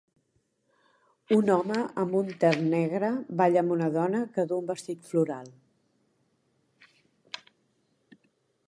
Un home amb un tern negre balla amb una dona que du un vestit floral.